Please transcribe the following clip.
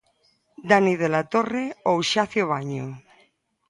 Dani de la Torre ou Xacio Baño.